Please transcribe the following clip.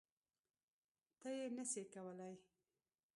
ته یی نه سی کولای